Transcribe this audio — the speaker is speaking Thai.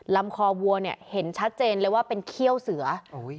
ลำคอวัวเนี่ยเห็นชัดเจนเลยว่าเป็นเขี้ยวเสือ